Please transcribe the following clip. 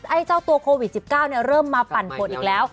ไอ้เจ้าตัวโควิด๑๙เริ่มมาปั่นปวดอีกแล้ว